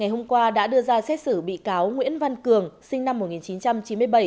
hôm qua đã đưa ra xét xử bị cáo nguyễn văn cường sinh năm một nghìn chín trăm chín mươi bảy